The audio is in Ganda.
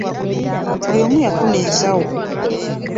Buli omu yafuna ensawo!